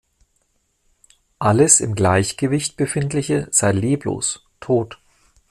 Alles im Gleichgewicht befindliche sei leblos, tot.